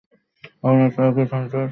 আপনার ছেলে কি সন্ত্রাসী?